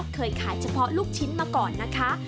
เคยขายเฉพาะลูกชิ้นมาก่อนนะคะ